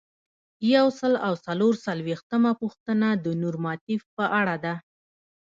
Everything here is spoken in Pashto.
یو سل او څلور څلویښتمه پوښتنه د نورماتیف په اړه ده.